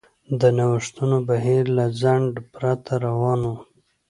د نوښتونو بهیر له ځنډ پرته روان و.